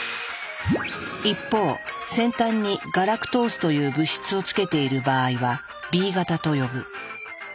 一方先端にガラクトースという物質をつけている場合はＢ型と呼ぶ。